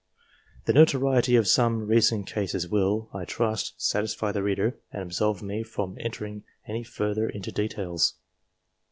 The notoriety of some recent cases will, I trust, satisfy the reader, and absolve me from entering any further into details.